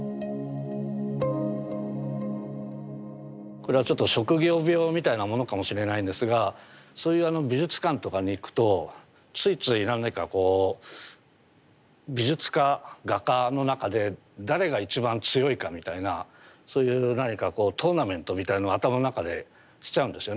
これはちょっと職業病みたいなものかもしれないんですがそういう美術館とかに行くとついつい何かこう美術家画家の中で誰が一番強いかみたいなそういう何かこうトーナメントみたいなの頭の中でしちゃうんですよね。